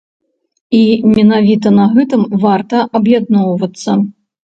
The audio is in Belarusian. І менавіта на гэтым варта аб'ядноўвацца.